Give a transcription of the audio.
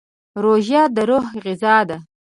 روژه د روح غذا ده.